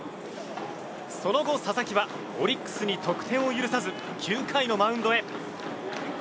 その後、佐々木はオリックスに得点を許さず９回のマウンドへ。